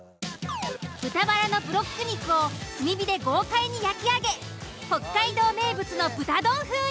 豚バラのブロック肉を炭火で豪快に焼き上げ北海道名物の豚丼風に。